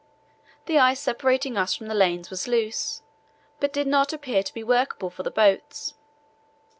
The ice separating us from the lanes was loose, but did not appear to be workable for the boats.